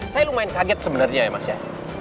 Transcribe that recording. saya lumayan kaget sebenarnya ya mas ya